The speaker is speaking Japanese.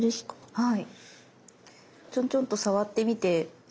はい。